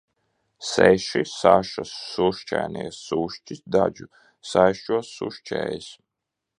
Seši sašas sušķainie sušķi dadžu saišķos sušķējas.